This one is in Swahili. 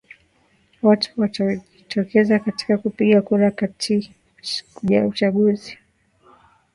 watu kutojitokeza katika kupiga kura katika uchaguzi